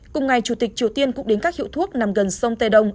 cùng ngày chủ tịch triều tiên cũng đến các hiệu thuốc nằm gần sông tây đông